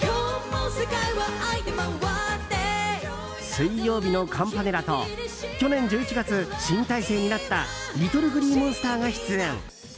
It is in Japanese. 水曜日のカンパネラと去年１１月、新体制になったＬｉｔｔｌｅＧｌｅｅＭｏｎｓｔｅｒが出演。